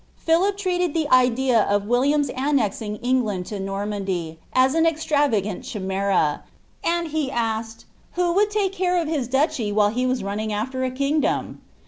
Philip treated the idea of Wil liam's annexing England to Normandy, as an extravagant chimera,^ and asked him, ^ who would take care of his duchy while he was running aAer a kingdom